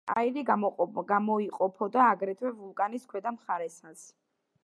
აირი გამოიყოფოდა აგრეთვე ვულკანის ქვედა მხარესაც.